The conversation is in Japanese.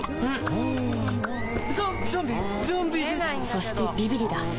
そしてビビリだ